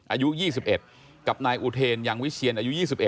อายุ๒๑กับนายอุเทนยังวิเชียนอายุ๒๑